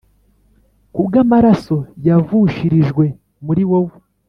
ku bw’amaraso yavushirijwe muri wowe